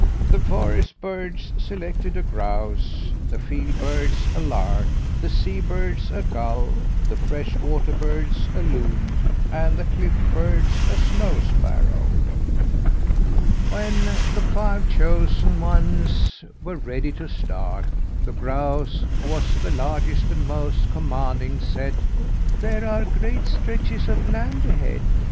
"The forest birds selected a grouse, the field birds a lark, the sea birds a gull, the fresh water birds a loon, and the cliff birds a snow sparrow. "When the five chosen ones were ready to start, the grouse, who was the largest and most commanding, said: "'There are great stretches of land ahead.